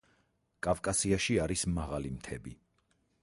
კავკასიაში არის მაღალი მთები